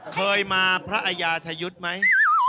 เคยมาพระอาญาธยุทธ์ไหม